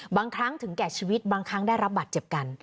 บางครั้งถึงแก่ชีวิตบางครั้งได้รับบัตรเจ็บกัน